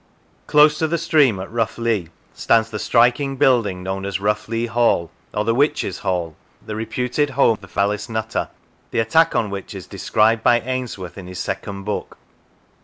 Close to the stream at Roughlee stands the striking building known as Roughlee Hall, or the Witches' Hall, the reputed home of Alice Nutter, the attack on which is described by Ainsworth in his second book.